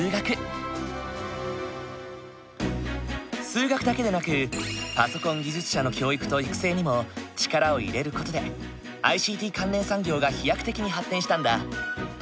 数学だけでなくパソコン技術者の教育と育成にも力を入れる事でＩＣＴ関連産業が飛躍的に発展したんだ。